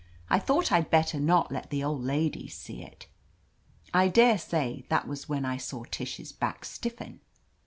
"I thought I'd bet ter not let the old ladies see it." I daresay that was when I saw Tish's bacK stiffen.